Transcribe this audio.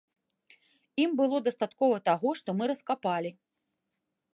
Ім было дастаткова таго, што мы раскапалі.